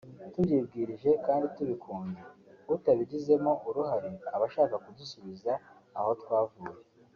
tubyibwirije kandi tubikunze; utabigizemo uruhare aba ashaka kudusubiza aho twavuye